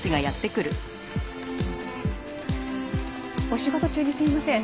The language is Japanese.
お仕事中にすいません。